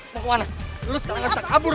mau kemana lo sekarang bisa kabur